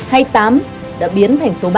hay tám đã biến thành số ba